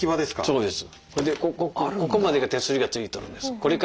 そうです。